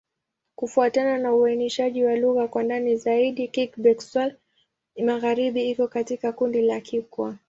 Kufuatana na uainishaji wa lugha kwa ndani zaidi, Kigbe-Xwla-Magharibi iko katika kundi la Kikwa.